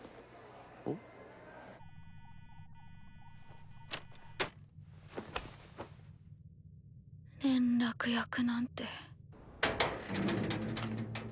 ん？連絡役なんて。